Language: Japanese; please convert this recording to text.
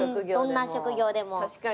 どんな職業でも。